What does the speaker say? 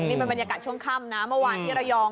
นี่เป็นบรรยากาศช่วงค่ำนะเมื่อวานที่ระยอง